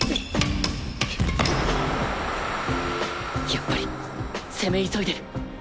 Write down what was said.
やっぱり攻め急いでる